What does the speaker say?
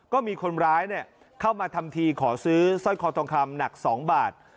ก็มีคนร้ายเข้ามาทำทีขอซื้อสร้อยคอทองคำหนัก๒บาท